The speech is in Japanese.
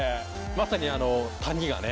まさに谷がね。